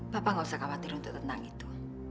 bapak gak usah khawatir untuk tentang itu